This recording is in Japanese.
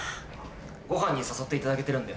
ごはんに誘っていただけてるんで。